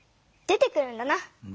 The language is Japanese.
出てくるんだな。